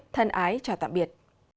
thân ái chào tạm biệt